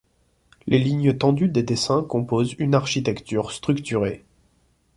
Les lignes tendues des dessins composent une architecture structurée.